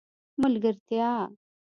ملګرتیا